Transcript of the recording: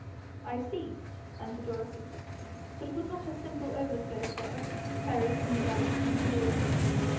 'I see,' answered Dorothy. 'But would not a simple overflow serve, carried from the well through the wall?'